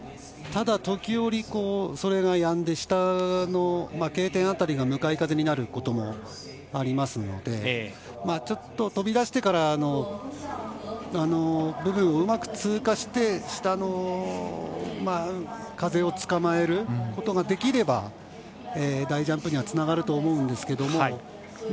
ただ、時折、それがやんで下のＫ点辺りが向かい風になることもありますのでちょっと、飛び出してからうまく通過して下の風を捕まえることができれば大ジャンプにはつながると思うんですけど。